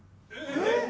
えっ！？